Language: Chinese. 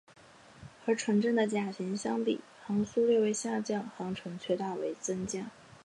和纯正的甲型相比航速略为下降航程却大为增加。